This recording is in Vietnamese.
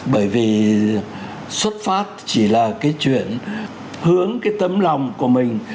bởi vì xuất phát chỉ là cái chuyện hướng cái tấm lòng của mình